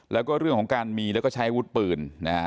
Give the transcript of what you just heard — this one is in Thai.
แล้วก็เรื่องของการมีแล้วก็ใช้อาวุธปืนนะฮะ